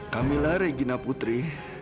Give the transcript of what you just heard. kamilah regina putri